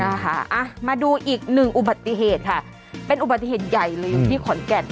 นะคะอ่ะมาดูอีกหนึ่งอุบัติเหตุค่ะเป็นอุบัติเหตุใหญ่เลยอยู่ที่ขอนแก่น